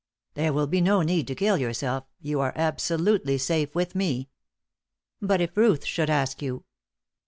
"There will be no need to kill yourself. You are absolutely safe with me." "But if Ruth should ask you?"